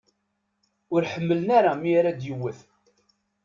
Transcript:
Ur ḥemmlen ara mi ara d-yewwet.